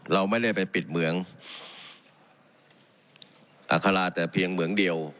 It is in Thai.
เราไม่ได้ไปปิดเหมืองอัคราแต่เพียงเหมืองเดียว